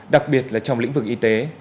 đặc biệt là trong lĩnh vực y tế